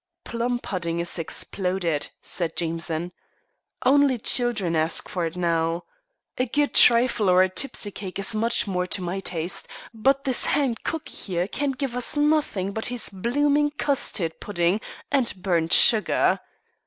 "Plum pudding is exploded," said Jameson. "Only children ask for it now. A good trifle or a tipsy cake is much more to my taste; but this hanged cook here can give us nothing but his blooming custard pudding and burnt sugar."